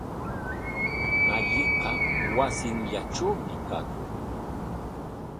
Malliqa wasinllatrawmi kakuq.